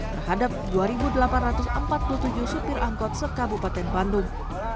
terhadap dua delapan ratus empat puluh tujuh sopir angkot se kb bandung